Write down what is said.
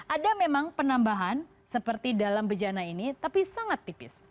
ada memang penambahan seperti dalam bejana ini tapi sangat tipis